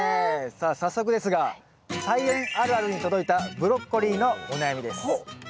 さあ早速ですが「菜園あるある」に届いたブロッコリーのお悩みです。